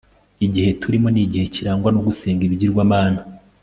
Igihe turimo ni igihe kirangwa no gusenga ibigirwamana